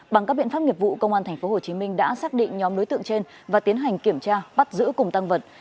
bằng các biện pháp nghiệp vụ công an tp hcm đã xác định nhóm đối tượng trên và tiến hành kiểm tra bắt giữ cùng tăng vật